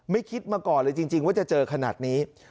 คิดมาก่อนเลยจริงว่าจะเจอขนาดนี้